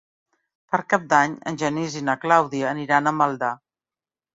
Per Cap d'Any en Genís i na Clàudia aniran a Maldà.